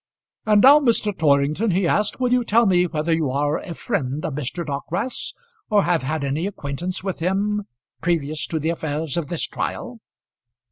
"And now, Mr. Torrington," he asked, "will you tell me whether you are a friend of Mr. Dockwrath's, or have had any acquaintance with him previous to the affairs of this trial?"